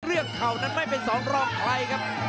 เข่านั้นไม่เป็นสองรองใครครับ